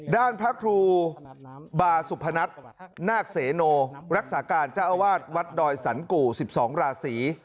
ด้านพระครูบาสุพนัทนาคเสโนรักษาการเจ้าอาวาสวัดดอยสันกู่๑๒ราศี